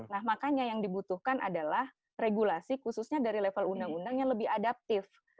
nah makanya yang dibutuhkan adalah regulasi khususnya dari level undang undang yang lebih adaptif